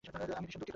আমি ভীষণ দুঃখিত।